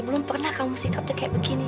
belum pernah kamu sikapnya kayak begini